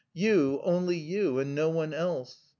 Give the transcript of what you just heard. You, only you, and no one else.